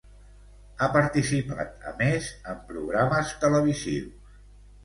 Ha participat, a més, en programes televisius.